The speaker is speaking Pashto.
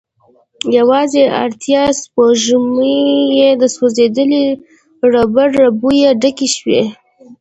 يواځې ارته سپږمې يې د سوځيدلې ربړ له بويه ډکې شوې.